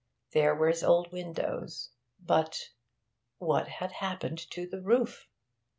There were his old windows. But what had happened to the roof?